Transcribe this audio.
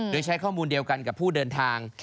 โดยใช้ข้อมูลเดียวกันกับผู้เดินทาง